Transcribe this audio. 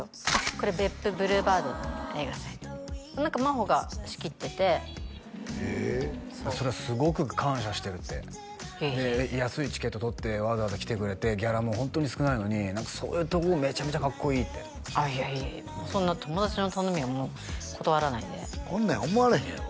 これＢｅｐｐｕブルーバード映画祭何か真帆が仕切っててへえそれはすごく感謝してるっていえいえいえ安いチケット取ってわざわざ来てくれてギャラもホントに少ないのにそういうところめちゃめちゃかっこいいっていやいやいやそんな友達の頼みは断らないんでこんなんや思われへんやろ？